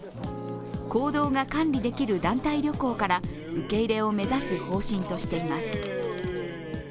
行動が管理できる団体旅行から受け入れを目指す方針としています。